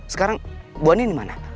sekarang mbak andien dimana